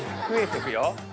増えてくよ。